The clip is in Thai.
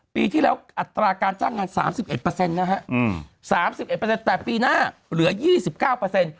ปีที่แล้วอัตราการจ้างงาน๓๑เปอร์เซ็นต์นะฮะ๓๑เปอร์เซ็นต์แต่ปีหน้าเหลือ๒๙เปอร์เซ็นต์